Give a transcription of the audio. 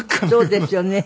そうですよね。